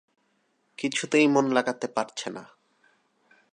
কিছুতেই মন লাগাতে পারছে না।